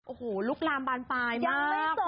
โอ้โหลูกลามบานปลายมากคุณผู้ชม